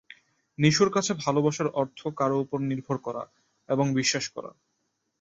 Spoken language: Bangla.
নিশোর কাছে ভালোবাসার অর্থ কারও ওপর নির্ভর করা এবং বিশ্বাস করা।